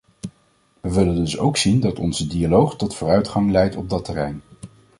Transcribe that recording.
We willen dus ook zien dat onze dialoog tot vooruitgang leidt op dat terrein.